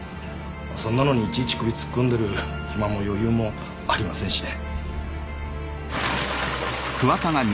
そんなのにいちいち首突っ込んでる暇も余裕もありませんしね